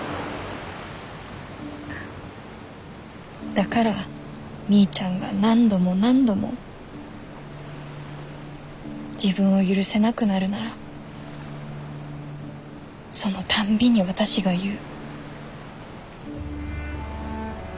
だからみーちゃんが何度も何度も自分を許せなくなるならそのたんびに私が言う。